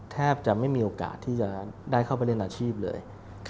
แทบจะไม่มีโอกาสที่จะได้เข้าไปเล่นอาชีพเลย